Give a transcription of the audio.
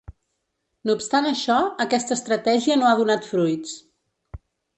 No obstant això, aquesta estratègia no ha donat fruits.